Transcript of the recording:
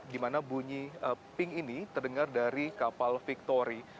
di mana bunyi ping ini terdengar dari kapal victori